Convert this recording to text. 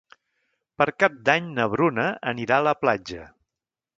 Per Cap d'Any na Bruna anirà a la platja.